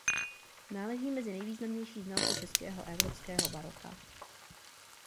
Náležel mezi nejvýznamnější znalce českého a evropského baroka.